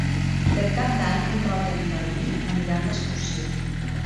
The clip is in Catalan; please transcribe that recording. Per Cap d'Any en Roc i en Garbí aniran d'excursió.